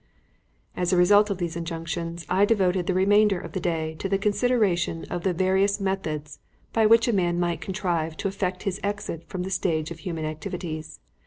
As a result of these injunctions, I devoted the remainder of the day to the consideration of the various methods by which a man might contrive to effect his exit from the stage of human activities.